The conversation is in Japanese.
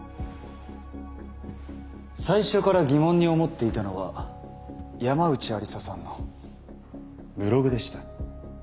最初から疑問に思っていたのは山内愛理沙さんのブログでした。